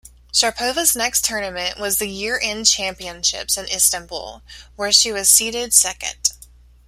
Sharapova's next tournament was the year-end championships in Istanbul, where she was seeded second.